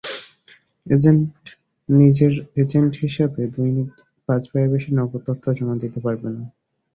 Agent নিজের agent হিসাবে দৈনিক পাঁচবারের বেশি নগদ অর্থ জমা দিতে পারবে না।